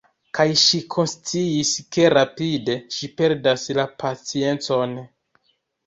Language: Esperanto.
Kaj ŝi konsciis ke rapide ŝi perdas la paciencon.